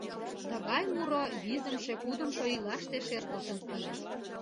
Тыгай муро визымше–кудымшо ийлаште шергылтын ыле.